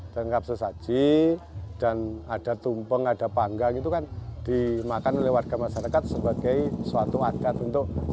lengkap sesaji dan ada tumpeng ada panggang itu kan dimakan oleh warga masyarakat sebagai suatu adkat untuk